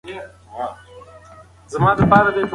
په افغانستان کې کلتور د هر قوم ویاړ دی.